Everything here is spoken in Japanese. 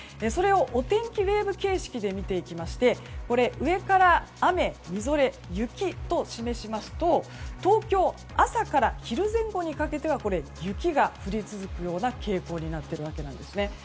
それをお天気ウェーブ形式で見ていきまして上から雨、みぞれ、雪と示しますと東京、朝から昼前後にかけては雪が降り続くような傾向になっているわけなんですね。